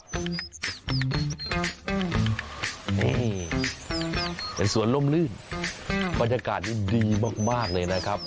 นี่เป็นสวนล่มลื่นบรรยากาศนี้ดีมากเลยนะครับ